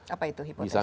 apa itu hipotesa